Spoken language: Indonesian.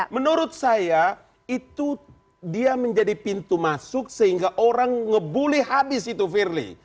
menurut saya itu dia menjadi pintu masuk sehingga orang ngebully habis itu firly